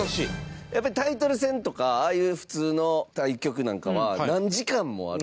やっぱり、タイトル戦とかああいう普通の対局なんかは何時間もある。